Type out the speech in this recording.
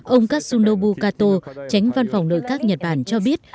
ông katsunobu kato tránh văn phòng nội các nhật bản cho biết